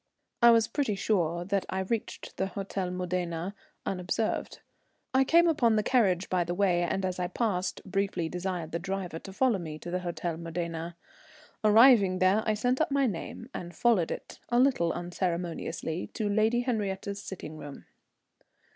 I was pretty sure that I reached the Hôtel Modena unobserved. I came upon the carriage by the way, and as I passed briefly desired the driver to follow me to the Hôtel Modena. Arriving there, I sent up my name, and followed it, a little unceremoniously, to Lady Henriette's sitting room.